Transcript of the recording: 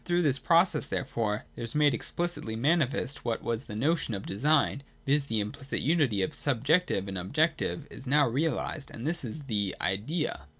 Through this process, therefore, there is made explicitly manifest what was the notion of design : viz. the implicit unity of subjective and objec tive is now realised. And this is the Idea.